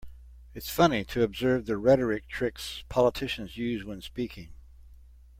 It's funny to observe the rhetoric tricks politicians use when speaking.